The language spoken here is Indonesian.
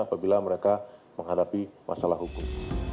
apabila mereka menghadapi masalah hukum